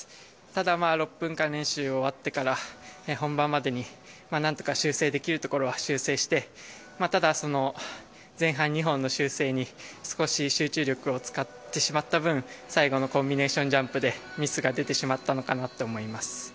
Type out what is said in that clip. ただ、６分間練習終わってから本番までに何とか修正できるところは修正してただ、前半２本の修正に少し集中力を使ってしまった分最後のコンビネーションジャンプミスが出たのかなと思います。